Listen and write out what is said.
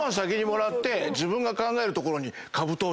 自分が考えるところに。